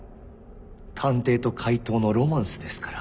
探偵と怪盗のロマンスですから。